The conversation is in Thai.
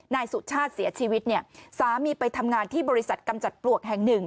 นายสุชาติเสียชีวิตเนี่ยสามีไปทำงานที่บริษัทกำจัดปลวกแห่งหนึ่ง